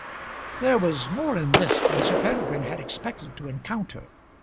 There was more in this than Sir Peregrine had expected to encounter.